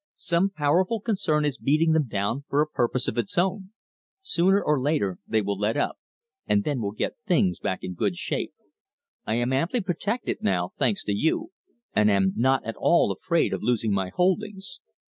Some powerful concern is beating them down for a purpose of its own. Sooner or later they will let up, and then we'll get things back in good shape. I am amply protected now, thanks to you, and am not at all afraid of losing my holdings.